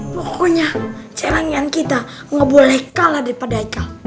pokoknya celengan kita nggak boleh kalah daripada